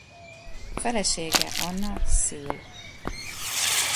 Felesége Anna szül.